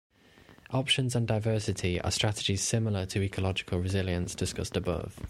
Options and diversity are strategies similar to ecological resilience discussed above.